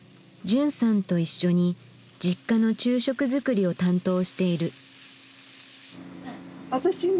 じゅんさんと一緒にＪｉｋｋａの昼食作りを担当している。